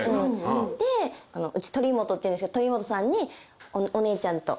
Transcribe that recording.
でうち鳥居本っていうんですけど鳥居本さんにお姉ちゃんと。